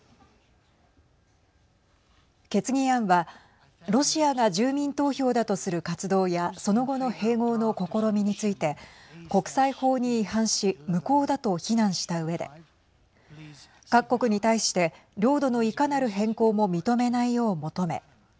決議案はロシアが住民投票だとする活動やその後の併合の試みについて国際法に違反し無効だと非難したうえで各国に対して領土のいかなる変更も認めないよう求め